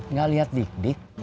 nggak liat dik dik